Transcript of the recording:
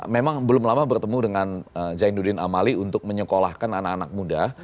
memang belum lama bertemu dengan zainuddin amali untuk menyekolahkan anak anak muda